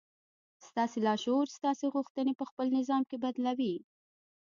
ستاسې لاشعور ستاسې غوښتنې په خپل نظام کې بدلوي.